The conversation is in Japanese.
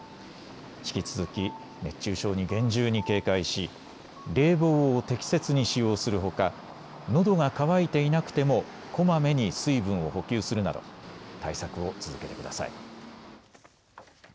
引き続き熱中症に厳重に警戒し冷房を適切に使用するほかのどが渇いていなくてもこまめに水分を補給するなど対策を続けてください。